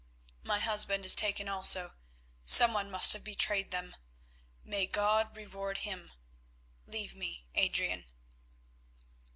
"My husband is taken also. Someone must have betrayed them. May God reward him! Leave me, Adrian."